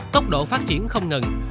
tốc độ phát triển không ngừng